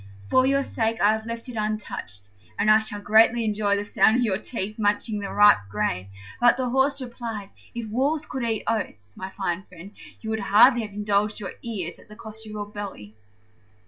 For your sake I have left it untouched, and I shall greatly enjoy the sound of your teeth munching the ripe grain." But the Horse replied, "If wolves could eat oats, my fine friend, you would hardly have indulged your ears at the cost of your belly."